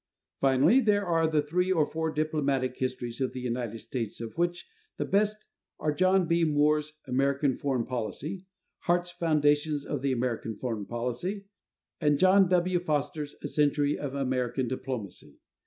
Finally, there are the three or four diplomatic histories of the United States of which the best are John B. Moore's "American Foreign Policy," Hart's "Foundations of the American Foreign Policy" and John W. Foster's "A Century of American Diplomacy."